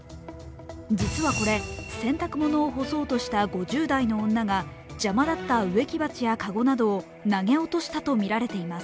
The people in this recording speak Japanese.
実はこれ、洗濯物を干そうとした５０代の女が邪魔だった植木鉢やかごなどを投げ落としたとみられています。